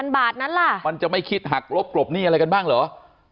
บาทนั้นล่ะมันจะไม่คิดหักลบกลบหนี้อะไรกันบ้างเหรอ